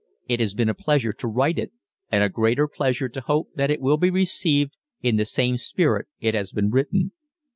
It has been a great pleasure to write it and a greater pleasure to hope that it will be received in the same spirit it has been written.